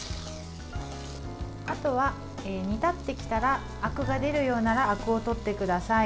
あとは、煮立ってきたらあくが出るようならあくをとってください。